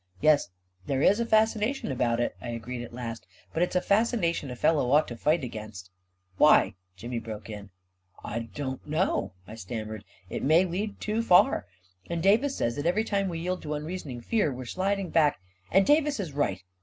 " Yes, there is a fascination about it," I agreed at last, "but it's a fascination a fellow ought to fight against ..." "Why?" Jimmy broke in. II I don't know," I stammered " It may lead too far. And Davis says that every time we yield to unreasoning fear, we're sliding back ..."" And Davis is right